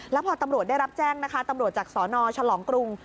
แล้วพอตำรวจได้รับแจ้งนะคะตำรวจจากสนฉลองกรุง